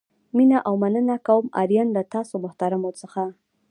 مینه او مننه کوم آرین له تاسو محترمو څخه.